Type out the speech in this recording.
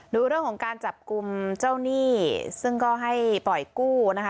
ดูเรื่องของการจับกลุ่มเจ้าหนี้ซึ่งก็ให้ปล่อยกู้นะคะ